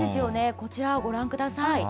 こちらご覧ください。